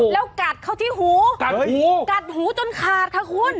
แล้วกัดเข้าที่หูกัดหูจนขาดค่ะคุณ